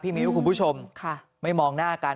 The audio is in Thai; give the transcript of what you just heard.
มิ้วคุณผู้ชมไม่มองหน้ากัน